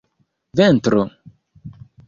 ventro